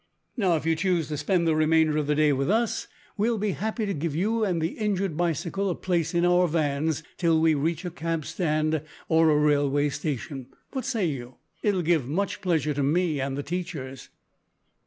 Now, if you choose to spend the remainder of the day with us, we will be happy to give you and the injured bicycle a place in our vans till we reach a cabstand or a railway station. What say you? It will give much pleasure to me and the teachers."